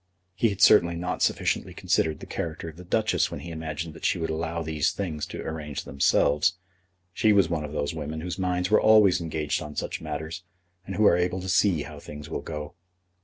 He had certainly not sufficiently considered the character of the Duchess when he imagined that she would allow these things to arrange themselves. She was one of those women whose minds were always engaged on such matters, and who are able to see how things will go.